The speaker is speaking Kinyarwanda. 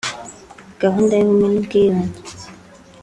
gahunda y’ubumwe n’ubwiyunge